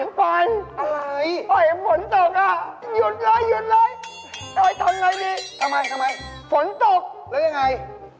แล้วยังไง